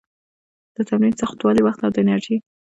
د تمرین سختوالي، وخت او د انرژي